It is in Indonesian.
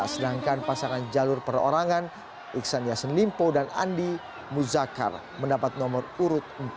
sedangkan pasangan jalur perorangan iksan yassin limpo dan andi muzakar mendapat nomor urut empat